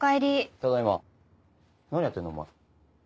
ただいま何やってんのお前。